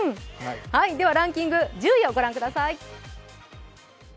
ランキング１０位をご覧ください。